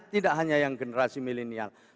tidak hanya yang generasi milenial